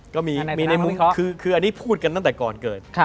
ก็มีในมุมคืออันนี้พูดกันตั้งแต่ก่อนเกิด